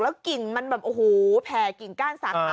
แล้วกลิ่นมันแบบโอ้โฮแผ่กลิ่นก้านซัก